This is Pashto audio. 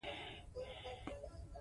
زده کړه د نجونو د فکر کولو زاویه بدلوي.